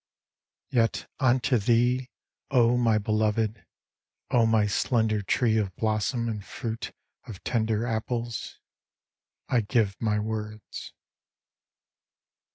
Yet unto thee, O my Beloved, my slender tree of blossom and fruit of tender apples, 1 give my words.